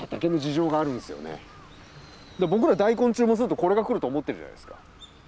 僕ら大根注文するとこれが来ると思ってるじゃないですか。